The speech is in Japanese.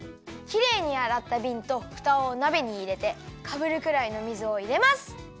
きれいにあらったびんとふたをなべにいれてかぶるくらいの水をいれます。